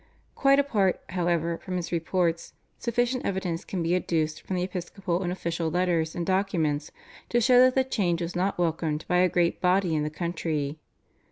Quite apart, however, from his reports, sufficient evidence can be adduced from the episcopal and official letters and documents to show that the change was not welcomed by a great body in the country.